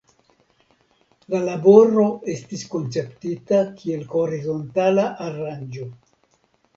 La laboro estis konceptita kiel horizontala aranĝo.